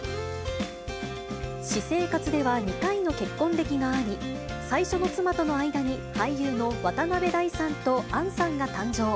私生活では２回の結婚歴があり、最初の妻との間に俳優の渡辺大さんと、杏さんが誕生。